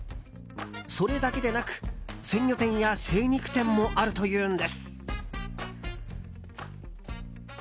それだけでなく鮮魚店や精肉店もあるというんです。